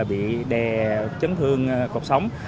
bị đè chấn thương cột sóng